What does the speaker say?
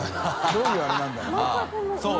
どういうあれなんだろう？